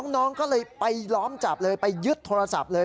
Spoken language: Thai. น้องก็เลยไปล้อมจับเลยไปยึดโทรศัพท์เลย